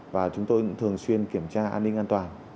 và chúng tôi cũng thường xuyên kiểm tra an ninh an toàn